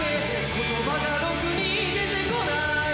「言葉がろくに出てこない」